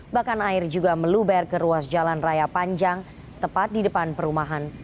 bahkan air juga meluber ke ruas jalan raya panjang tepat di depan perumahan